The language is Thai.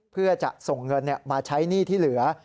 เพื่อจะส่งเงินมาใช้หนี้ที่เหลือ